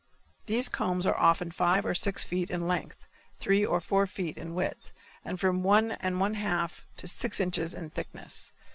These combs are often five or six feet in length, three or four feet in width and from one and one half to six inches in thickness.